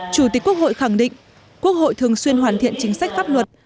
chủ tịch quốc hội khẳng định quốc hội thường xuyên hoàn thiện chính sách pháp luật